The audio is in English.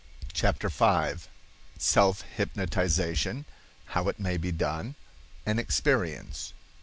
CHAPTER V. Self Hypnotization.—How It may Be Done.—An Experience.